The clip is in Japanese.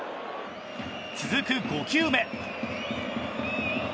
続く５球目。